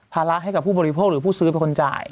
ระให้กับผู้บริโภคหรือผู้ซื้อเป็นคนจ่าย